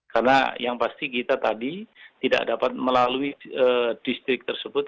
karena yang pasti kita tadi tidak dapat melalui distrik tersebut